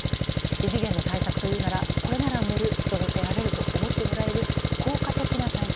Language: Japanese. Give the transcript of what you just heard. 異次元の対策というならこれなら産める、育てられると思ってもらえる効果的な対策。